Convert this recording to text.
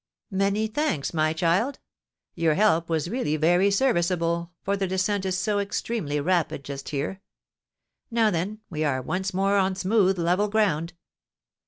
"Many thanks, my child! Your help was really very serviceable, for the descent is so extremely rapid just here. Now, then, we are once more on smooth, level ground."